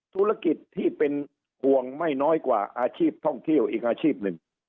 ธุรกิจที่เป็นห่วงไม่น้อยกว่าอาชีพท่องเที่ยวอีกอาชีพหนึ่ง